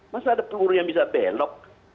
masa ada peluru yang bisa belok